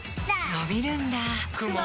のびるんだ